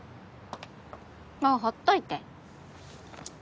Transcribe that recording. もうほっといて。